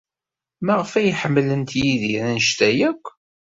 Maɣef ay ḥemmlent Yidir anect-a akk?